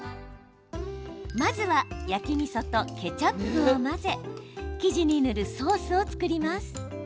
まずは焼きみそとケチャップを混ぜ生地に塗るソースを作ります。